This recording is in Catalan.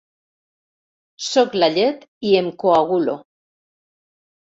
Sóc la llet i em coagulo.